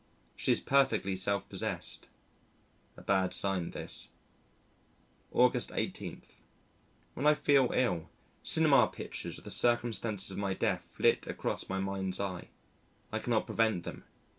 She is perfectly self possessed. A bad sign this. August 18. When I feel ill, cinema pictures of the circumstances of my death flit across my mind's eye. I cannot prevent them.